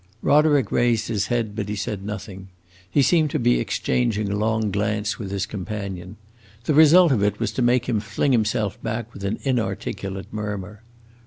Roderick raised his head, but he said nothing; he seemed to be exchanging a long glance with his companion. The result of it was to make him fling himself back with an inarticulate murmur.